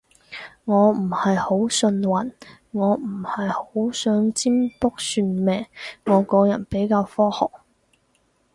我唔係好信運，我唔係好信占卜算命，我個人比較科學